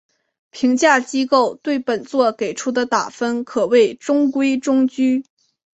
评价机构对本作给出的打分可谓中规中矩。